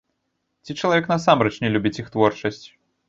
Ці чалавек насамрэч не любіць іх творчасць!